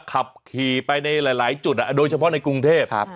ขับขี่ไปในหลายหลายจุดอ่ะโดยเฉพาะในกรุงเทพครับ